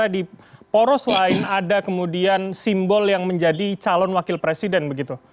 di poros lain ada kemudian simbol yang menjadi calon wakil presiden begitu